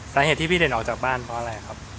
สาเหตุที่พี่เด่นออกจากบ้านเพราะอะไรครับ